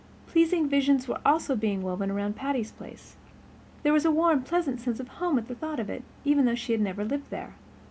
Pleasing visions were also being woven around Patty's Place. There was a warm pleasant sense of home in the thought of it, even though she had never lived there.